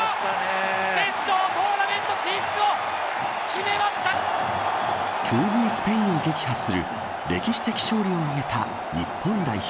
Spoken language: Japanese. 決勝トーナメント進出を強豪スペインを撃破する歴史的勝利を挙げた日本代表。